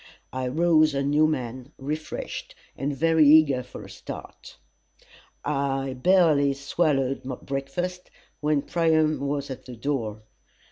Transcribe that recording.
I rose a new man, refreshed and very eager for a start. I barely swallowed breakfast when Priam was at the door.